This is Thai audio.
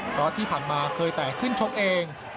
เพราะที่ผ่านมาเคยแต่ขึ้นชกเอง